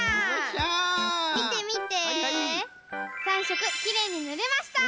３しょくきれいにぬれました！